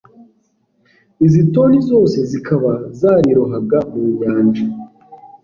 izi toni zose zikaba zarirohaga mu nyanja